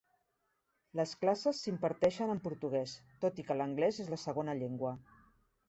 Les classes s'imparteixen en portuguès, tot i que anglès és la segona llengua.